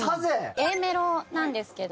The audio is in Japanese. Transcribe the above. Ａメロなんですけど。